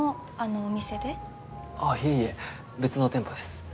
あっいえいえ別の店舗です